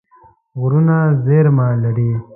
غرونه زیرمه لري.